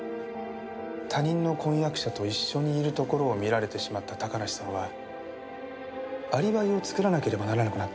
他人の婚約者と一緒にいるところを見られてしまった高梨さんはアリバイを作らなければならなくなったんです。